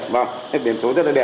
vâng biệt số rất là đẹp